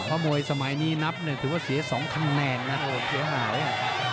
เพราะมวยสมัยนี้นับถือว่าเสีย๒ขั้นแน่นโหเสียหาย